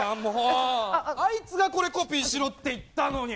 あいつがこれコピーしろって言ったのに。